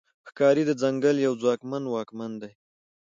ښکاري د ځنګل یو ځواکمن واکمن دی.